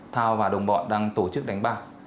thao và đồng bọn đang tổ chức đánh bạc